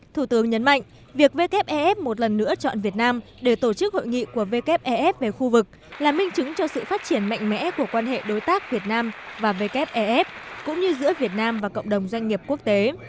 thủ tướng nhấn mạnh việc wf một lần nữa chọn việt nam để tổ chức hội nghị của wef về khu vực là minh chứng cho sự phát triển mạnh mẽ của quan hệ đối tác việt nam và wef cũng như giữa việt nam và cộng đồng doanh nghiệp quốc tế